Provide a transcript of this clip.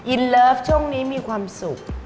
อินเลิฟช่วงนี้มีความสุข